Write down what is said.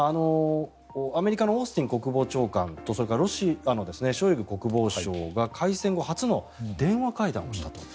アメリカのオースティン国防長官とそれからロシアのショイグ国防相が開戦後初の電話会談をしたと。